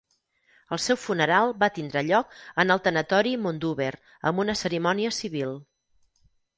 El seu funeral va tindre lloc en el tanatori Mondúber amb una cerimònia civil.